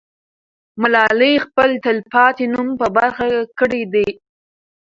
ملالۍ خپل تل پاتې نوم په برخه کړی دی.